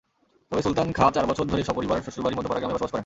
তবে সুলতান খাঁ চার বছর ধরে সপরিবার শ্বশুরবাড়ি মধ্যপাড়া গ্রামে বসবাস করেন।